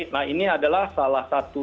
nah ini adalah salah satu